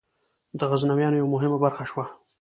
د غزنویانو یوه مهمه برخه شوه.